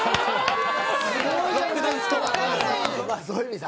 すごい！